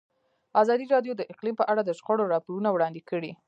ازادي راډیو د اقلیم په اړه د شخړو راپورونه وړاندې کړي.